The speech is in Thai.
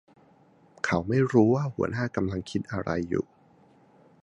เขาไม่รู้ว่าหัวหน้ากำลังคิดอะไรอยู่